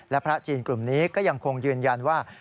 และพระจีนกลุ่มนี้ก็ยังคงยืนยันว่า